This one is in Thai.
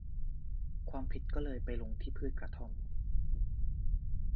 ความผิดก็เลยไปลงที่พืชกระท่อม